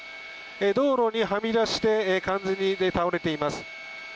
道路にはみ出して完全に倒れています。